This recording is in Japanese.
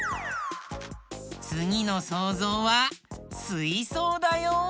つぎのそうぞうはすいそうだよ。